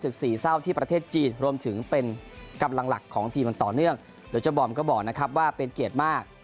กำลังหลักของทีมต่อเนื่องโดยเจ้าบอมก็บอกนะครับว่าเป็นเกียรติมาก